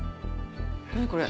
何これ？